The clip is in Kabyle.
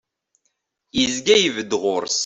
Izga ibedd ɣur-s.